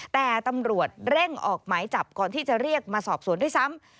แต่ตำรวจเร่งออกหมายจับก่อนที่จะเรียกมาสอบสวนด้วยซ้ำ